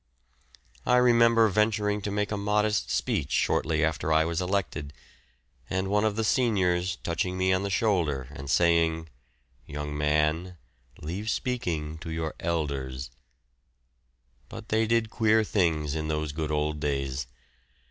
I remember venturing to make a modest speech shortly after I was elected, and one of the seniors touching me on the shoulder and saying, "Young man, leave speaking to your elders"; but they did queer things in those good old days.